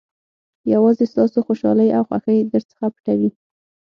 یوازې ستاسو خوشالۍ او خوښۍ درڅخه پټوي.